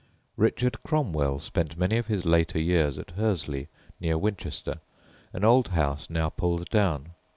Richard Cromwell spent many of his later years at Hursley, near Winchester, an old house now pulled down.